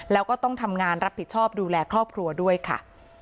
แล้วก็ต้องทำงานรับผิดชอบดูแลครอบครัวด้วยค่ะ